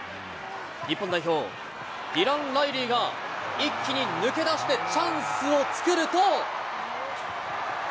日本代表、ディラン・ライリーが一気に抜け出して、チャンスを作ると。